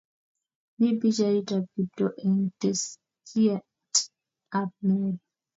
Mi pichait ab Kiptoo eng Teskit ab Mary